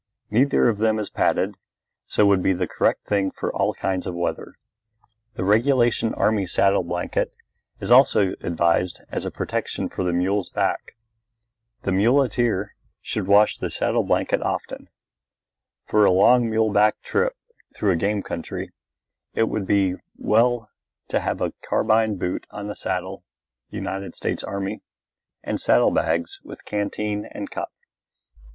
Neither of them is padded, so would be the correct thing for all kinds of weather. The regulation army saddle blanket is also advised as a protection for the mule's back. The muleteer should wash the saddle blanket often. For a long mule back trip through a game country, it would be well to have a carbine boot on the saddle (United States Army) and saddle bags with canteen and cup.